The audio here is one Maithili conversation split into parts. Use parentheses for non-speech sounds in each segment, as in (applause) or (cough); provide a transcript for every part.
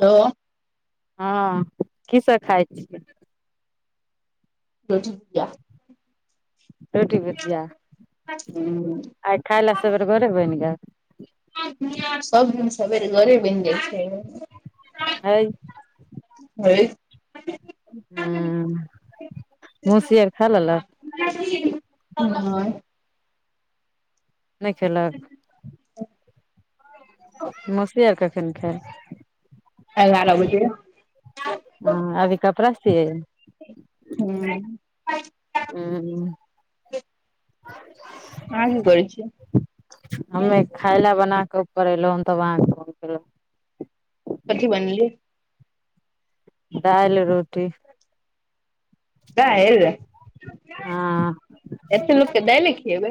हलो। हँ की सब खाइ छी। रोटी भुजिया। रोटी -भुजिया आइ खाइ ले सबेर भोरे बनि गैल। सब दिन सवेर गरे बनि जाइ छै। हैय। ह (inaudible) हुं मौसी आर खा लेलक। हँ। नहि खेलक। मौसी आर कखन खेइत। एगारह बजे। हँ अभी कपड़ा सीयय अहाँ हे? आहाँ की करे छीय? हमे खाय ल बना के ऊपर एलो हन तब आहाँ फोन केलाउ। कथी बनेलिय? दाइल- रोटी। दाइल हँ एते लोक के दैयले खियबै।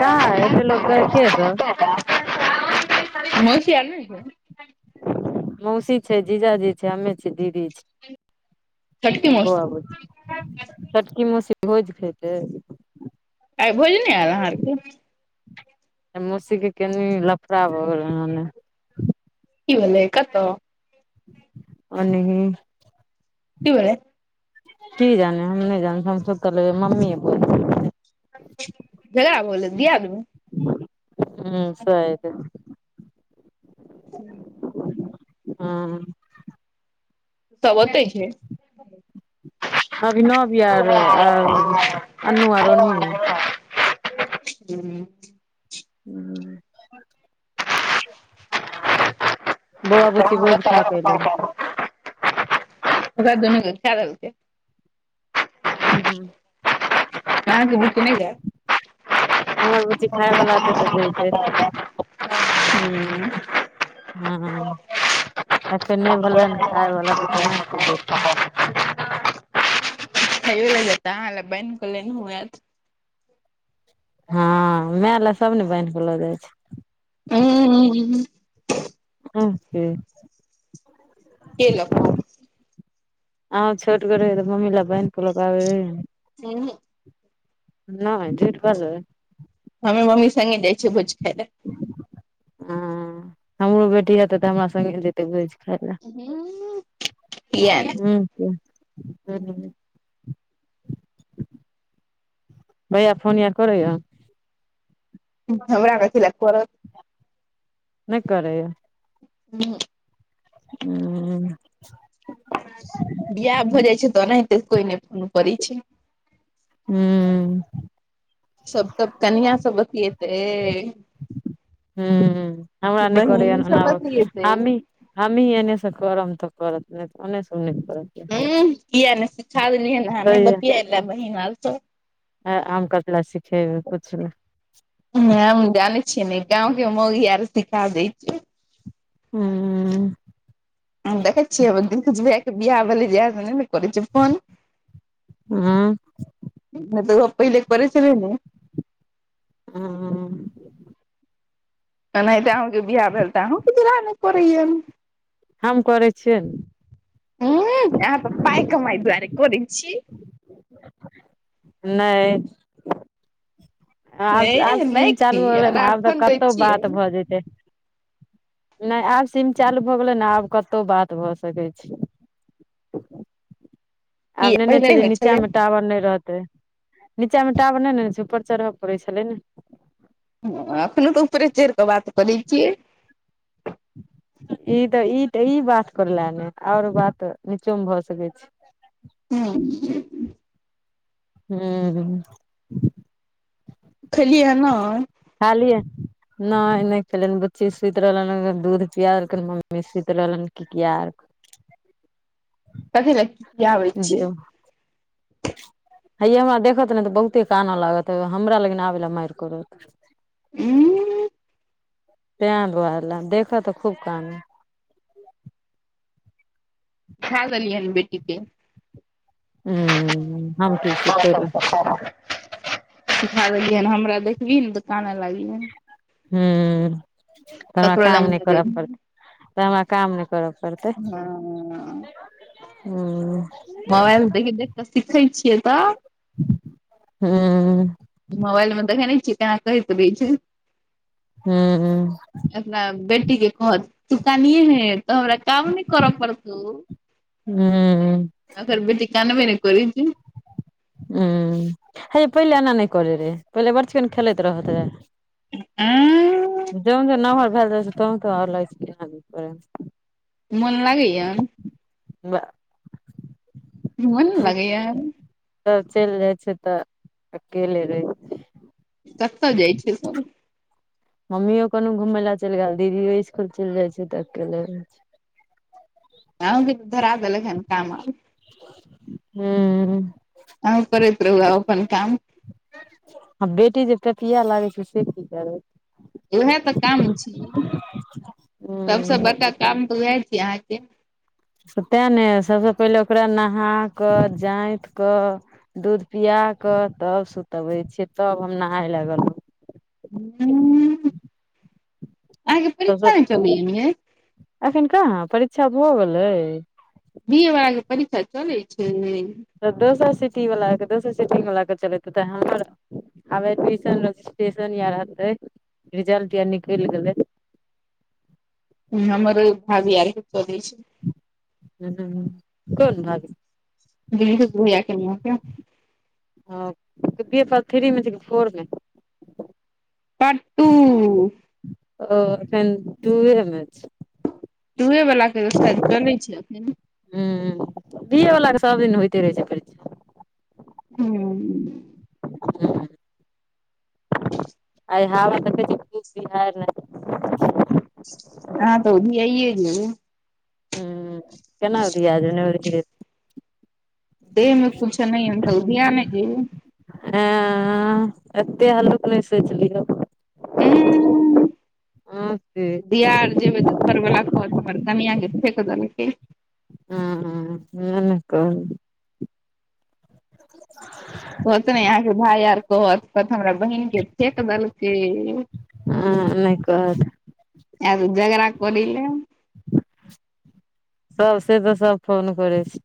कहां एते लोक के सब। मौसी आर नै होउ। मौसी छै, जीजाजी छै, हमे छै, दीदी छै। छोटकी बौआ- मौसी बुच्ची छोटकी मौसी भोज खेतै। आइ भोज ने आयल अहाँ आरके? मौसी के केनी लफड़ा भऽगेले हन ने। की भेलै, कतऽ। अनही। की भेलै। की जाने हम नहि जाने हम सब तऽ लग मम्मी ह बोले झगरा भऽ गेलै दियाद म। हूँ साइद। हूं। सब ओतै छै। अभिन आर आ अन्नू आर ओन्हि यऽ। हूं। बौआ बुच्ची गाम ऐब भोज तऽ खा ऐब के एलै पापा लग। ओकरा दुनू के खै देलकई। हूं। अहॉं के भुख नैय याऽ? हमर बुच्ची खायवला होइतै तऽ जैइतै। हूँ हुम्म, अखैन नैय भेलैन हेवे खायवला तऽ केना कऽ जैतैन? खइयो ल जैतऽ, आहाँ ले बैन्ह क लेनहो ऐऽत। हँ, मैऽ लैऽ सब ने बैन्ह क लऽ जाइ छै। हूँम्म। (unintelligible) केलक अहाँ के आहूँ छोट गो रैहिये तऽ मम्मी ल बैन्ह क लऽ क आबे रहिये ने? आएत नैय, झेठगर रहै। हमे मम्मी संगे जाइ छियै भोज खाय लैऽ। हं, हमरो बेटी हेतै तऽ हमरा संगे जेत तै भोज़ खाइ लैऽ। किया नै तनी भैया फोन यार करैया? हमरा कथी लैऽ करत? नैय करैया? उहूंऽ। उह्ऽ। बियाह भऽ जाइ छै तऽ ओनैहिते कोइ नै फोन करै छै। हूँम्म। सब तबऽ कनियां स बतियेतै। हूंम्म, हमरा नै करैया बहिन सब ओना आब, बतियेतै हमीं हमीं एने से करम तऽ करत, नै तऽ ओने स ओ नै करत। ऊंह, किया नै सिखा देलियै हेन? नै बतियैले बहिन आर स आ आम कथी लैऽ सिखेबै, पुछबै ह-हम जानै छियै ने गाँवके मौगी आर सिखा दै छै। हुम्म। देखै छियै दिलकुछ भैया बियाह भेलै जहिया स नै करै छै फोन? हूँ नै तऽ ओहो पहिले करै छलै ने? हॉंऽ। ओनाहिते आहूँ के बियाह भेल तऽ, आहूँ के दुल्हा नै करैया हम करै छियै ने? ऊंह अहॉं त पाइ कमाई दुवारे करै छी। नैय। आबसऽ आब ए सीम नहि चालू होलै ने, आब तऽ राखन दै कतौ छियै बात भऽ जैइतै। नै आब सिम चालू भऽ गेलै ने, आब कतौ बात भऽ सकै छै। कि आब नैय ना छै पहिले जे होइ निचा छलै में टावर नै रहतै। निचा मे टावर नैय ने रैछै, ऊपर चरहऽ पड़ै छलै ने। अखनो तऽ ऊपरे चहिर कऽ बात करै छियै। इ तऽ-इ तऽ-इ बात करैला ने, और बात निचो में भऽ सकै छै। हूम्म। हूम्म। खेलियै ह नैय? खा लिअ नै -नै खेलनि बुच्ची सुइत रहलनि दूध पिया औरक मम्मी सुइत रहलनि किकिया क कथी ले किकियाबै छियै हैये हमरा देखत ने तऽ बहुते काना लागत हमरा लैगि आबै लए मारि करत उ (unintelligible) ते द्वारेलए देखऽ तऽ खुब कानत खैदेलियैन बेेटीके ह हूँ हम (unintelligible) की सिखेबै सिखा देलियैहन हमरा देखबिहि ने तऽ कान लागिहे हू त ककरो काम लग नै नहि करअ पड़तै देबही त हमरा काम नै करअ पड़तै हँ हूं मोबाइल देखि देख कऽ सीखै छियै तऽ ह्म मोबाइल मे देखैनै छी केना कहैत रैछै हू ह (unintelligible) अपना बेटी के कहत तू कानिहि ने तऽ हमरा काम नै करऽ पड़तौ हू (unintelligible) ओकर बेटी कानबे नै करै छै हू हेयै पहिले एना नै करे रहे पहिले बड़चिकन खेलैत रहत रहे ए (unintelligible) जो जो नमहर भेल जाइछे तो तो आर लागइ छै केना दिन करैह मोन लागैया ब (unintelligible) मोननै लागैया तब चलि जाइ छै तऽ अकेले रहै कतऽ जाइ छै सब हमम्मी कोननो घूमय ला चलि गेल दीदियो स्कुल चलि जाय छै त अकेले आहुंके त धरा देलक हन काम आब हूं आहुं करैत रहू आब अपन काम आ बेटी जे पेपीया लागै छै से की करबै इहए तऽ काम छी सबसा हूं बड़का काम तऽ उएह छी अहाँके तेँ ने सभसँ पहिले ओकरा नहा कऽ जैंत कऽ दूध पिया कऽ तब सुतबै छियै तब हम नहाय लए गेलौं हुं अहाँके परीक्षा ने चलै य न यै अखन कहाँ परीक्षा भऽ गेलै बी ऐ वाला के परीक्षा चलै छै तऽ दोसर सिटी वालाके दोसर सिटी वलाक के चलेत हेतै हमर आब एडमिशन रजीस्टेसन या रहतै, रिजलट य निकल गेले ह हमरो भाभी आरके चलै छै ह कोन भाभी बिलदुत भैया कनिया के अ बीए पाठ थ्री मे छै कि फोर मे पाटटू ओ एखन टूएमे छैय त उहे बला केलेल छै जनै छीएन। ह्म दिएवला के सब दिन होइते रहे छै परि हू। ह आई हावा देखै छिये बिहाइर रहै। हँ तऽ उधियाये जेबे। ह्म केना उधिया जेबे नै उधिये देहमे कुछो नहि अंह तऽ उधिआ नै जेबु। हँ-अ एते हलुक नहि सोचलिहक। उम। ह से। बिआर जे होइत घरवाला कहत हमर कनियाँ के फेक देलकै। ह्म-ह्म नै न कहल (unintelligible) कहत नै अहाँके भाय आर कहत कहत हमरा बहिन के फेेक देलकै। उम नै कहत। एब जगराकरैले। सब से तऽ सब फोन करै छै।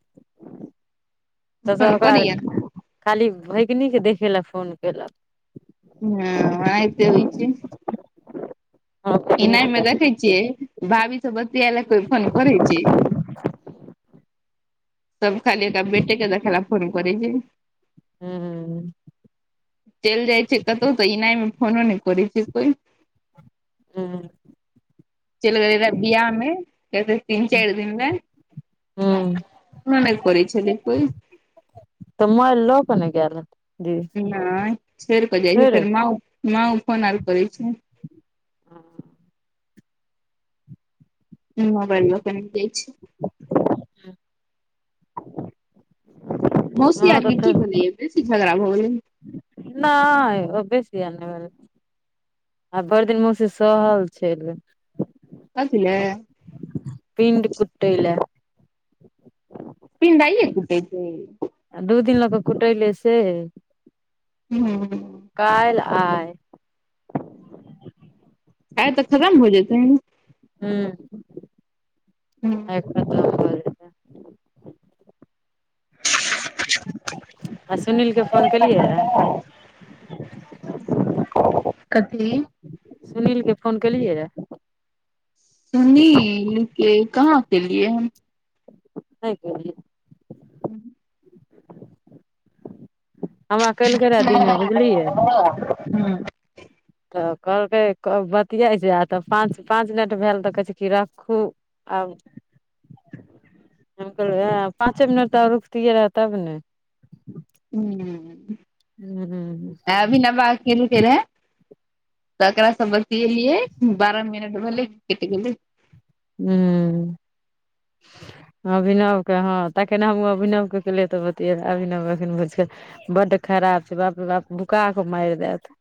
तसर फोन करियै ओकरा खाली भगिनीके देखय लए फोन केलक। ह्म ओनाइहिते होइ छै। हँ भगिनी इनाइ के मे देख देखै छियै। भाभी सब बतियाला कोइ फोन करै छै। तब खाली एकरा बेटे के देख ला फोन करै छै। हूं चलि जाइ छै कतहु तऽ एना मे फोनो नहि करै छै कोइ हूँ। चइल गेल रहे बियाह मे एलै तीन चारि दिनमे हूं फोनो नहि करै छलै कोइ। तऽ मोबाइल लऽक ने गेल जी नहि छोड़ कऽ जाइ छै छोड़ि फेर मा उ मा फोन ऐल करै छै। ह मोबइल लक निकलै छै। ह मौसी हँ ऐल रैह तऽ की भेलैया बेसी झगड़ा भगेलै। नहि ओ बेसी अनेवला छै आ भइड़ दिन मौसी सहल छैल। कथे लै। पीन्ड कतै लऽ। पिनाइये कुटै छै। आ दू दिन लऽक कुटैले सेहे। हू काल्हि आइ एतऽ खतम हो जेतेन। हु हूँ आय खतम भऽ जेते। आ सुनील के फोन केलियै रहे (unintelligible) कथी? सुनीलके फोन केलियै यऽ? सुनील के कहाँ केलियै हम नै केलयै। ह हमरा कयलके रहए दिनमे बुझलियै (unintelligible) हँ। तऽ कहलकै बतियै छे तऽ पाँच-पाँच मिनट भेल तऽ कहै छै कि रखू आब हम कलियै आ पाँचे मिनट तऽ रुइकतियै आर तब ने हूँ हूँ अभीना ब किलु के रहे त ओकारा स बतएलियै बारह मिनट भेलै कैट गेलै। हू। अभिनव के हँ ताक ने हमहूँ अभिनव के केलियै तऽ बतिये अभिनव अखन बुझ गेल बड खराब छै बापे बाप भूकाक मारि देत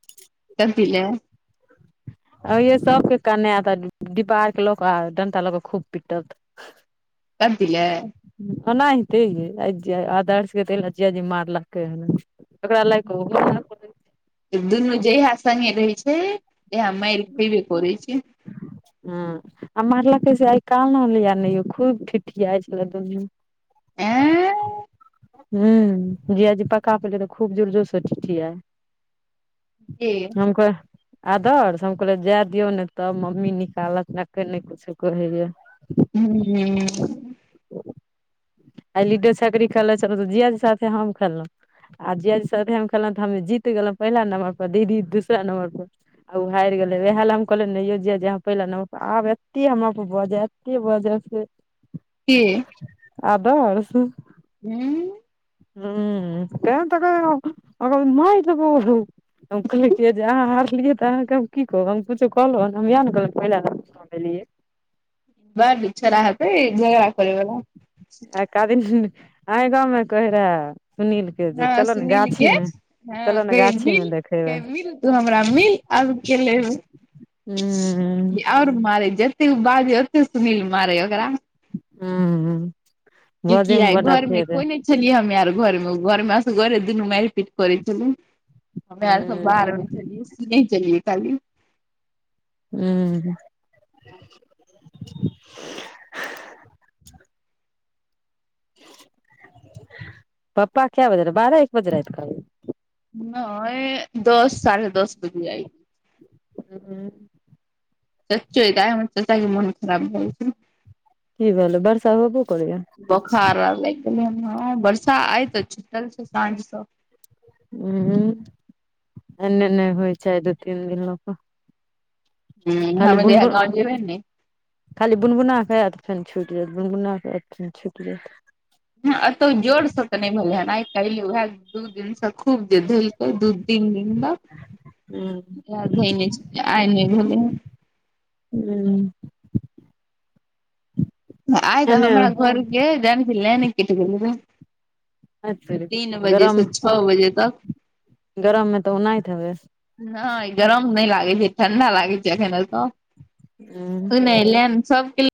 कथि लऽ। (inaudible) अइये सबके कने तऽ डिबार के लोक डंटा लक खूब पिटत कथी ले। आनाईते अहिछै अदार्श के भेल जीआजी मारलक ओहि मे ओकरा लइफ मे दुनू जहिया सगे रहै छै तैहा मार खेबे करै छै। ह्म आ मारलकै से आइ कानलिया नहि खूब ठिठीयाइ छलै दुनू एऽ। हू जीजाजी पका पले तऽ खूब जोरजोर स ठीठीयाई। के हममक आदर्श हम कहलियै जाय दियो न तब मम्मी निकालत ने अखन नहि कुछो कहैया। ह्म। आ लिडो छकरी खेलै छल त जियाजी साथे हम खेललहुं आ जियाजी साथे हम खेलैउ त हम जीत गेलहु पहिला नम्बर पर दीदी दूसरा नम्बर पर आ उ हारी गेलै वेहलम कहल नेैयो जियाजी आह पहिला नम्बर पर आब एते हमराप बजय एते बजय से के आदर्श। हूँ। ह्म केहन त रहै ओ अगर‌ मर्द ओ दे। हम कहै छियै जे अहाँ हारलियै तऽ अहाँके हम की कहब हम कुछो कहलहु हन हम ईहा ने कहलहु पहिला नम दऽ देलिए। वैह बिच चौराहा पे झगड़ा करे बला। आ एकादीन सुनि अय गाममे कहैरेहे। हँ सुनील के हँ चलऽ ने गाछी मे खेबिल देखेबै खेबिल तू हमरा मिल। आब के लेब हूँ की और मारय जे। जेत्तेक बाजय ओत्ते सुनील मारै ओकरा। हूँ। बजै मे किकियाइ बड अथी घरमे हेतै कोइ नै छलियै हमे आर घरमे घरमे असगरे दुनू माइर पीट करै छलै। हम्मे आर सब हूँ बाहर छलियै, सीयै छलियै काली। ह्म्म। पप्पा कैऽ बजे रइ, बारह एक बजे राइत क अबै अइ? नैय, दस साढ़े दस बजे आइ ह्म्म। चच्चो के आइ हमर चच्चा के मुन खराब भऽ गेल छै। कि भेलै? बर्षा होबो करैया? बोखार आर लैइग गेलैहन, हं बर्षा आय तऽ छुटल छै साँझ सँऽ। उँऽ? एने नैय होइ छै, आइ दू तीन दिन लऽ कऽ। हूँ खाली हम जहिया बुनबुन गाँव जेबै ने खाली बुनबुना कऽ ऐत, फेन छुटि जैत, बुनबुना कऽ ऐत, फेन छुटि जैत। हं अतौ जोड़ स त नैय भेलैहन, आइ काइल ओहैऽ दू दिन स खूब जे धेलकै, दू तीन दिन तक वैह धेने छै, आइ नैय भेलैहन। (unintelligible) आइ तऽ एने हमरा घरके जानै छि, लैने कटि गेलै रे तीन बजे गरम स छॅऽ बजे तक। गरम में तऽ औनाइत हेबै? नैय गरम नै लागै छै, ठंडा लागै छै अखन एतऽ। उँ। नै लैन सबके ले